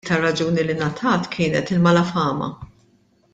L-iktar raġuni li ngħatat kienet il-malafama.